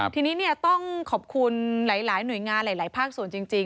ทีนี้ต้องขอบคุณหลายหน่วยงานหลายภาคส่วนจริง